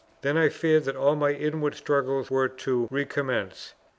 Then I feared that all my inward struggles were to recommence.